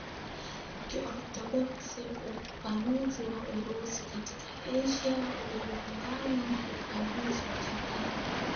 Kiorthodoksi upanuzi wa Urusi katika Asia uligongana na upanuzi wa Japan